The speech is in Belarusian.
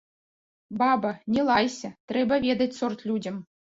Баба, не лайся, трэба ведаць сорт людзям.